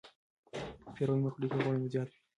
پیروي مه خورئ که غوړ مو زیات وي.